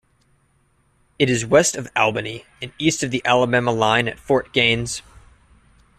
It is west of Albany and east of the Alabama line at Fort Gaines.